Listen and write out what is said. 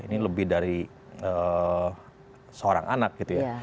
ini lebih dari seorang anak gitu ya